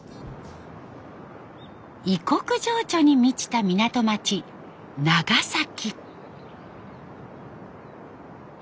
異国情緒に満ちた港町長崎。